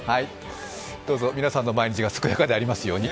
どうぞ皆さんの毎日が健やかでありますように。